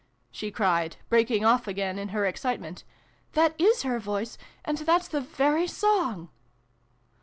" she cried, breaking off again in her excitement. " That is her voice, and that's the very song